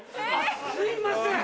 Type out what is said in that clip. すいません！